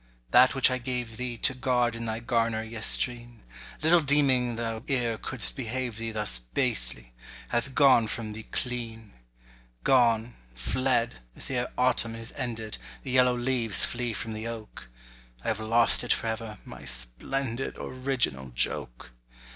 that which I gave thee To guard in thy garner yestreen— Little deeming thou e'er could'st behave thee Thus basely—hath gone from thee clean! Gone, fled, as ere autumn is ended The yellow leaves flee from the oak— I have lost it for ever, my splendid Original joke.